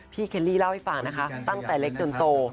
เคลลี่เล่าให้ฟังนะคะตั้งแต่เล็กจนโต